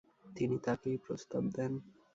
তিনি তাকেই প্রস্তাব দেন।